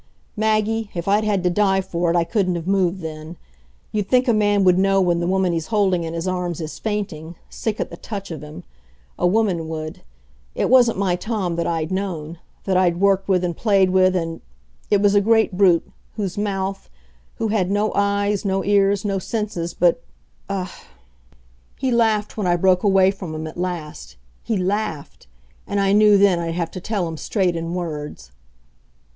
Maggie, if I'd had to die for it I couldn't have moved then. You'd think a man would know when the woman he's holding in his arms is fainting sick at the touch of him. A woman would. It wasn't my Tom that I'd known, that I'd worked with and played with and It was a great brute, whose mouth who had no eyes, no ears, no senses but ah!... He laughed when I broke away from him at last. He laughed! And I knew then I'd have to tell him straight in words.